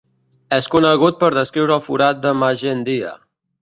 És conegut per descriure el forat de Magendie.